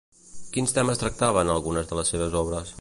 Quins temes tractava en algunes de les seves obres?